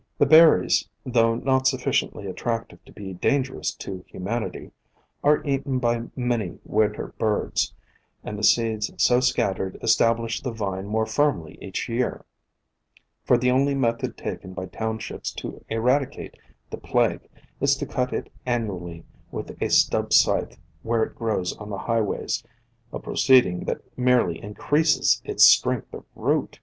The berries, though not sufficiently attractive to be dangerous to humanity, are eaten 1 64 POISONOUS PLANTS by many winter birds, and the seeds so scattered establish the vine more firmly each year, for the only method taken by townships to eradicate the plague is to cut it annually with a stub scythe where it grows on the highways, a proceeding that merely increases its strength of root.